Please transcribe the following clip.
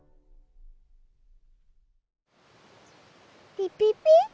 ピピピ。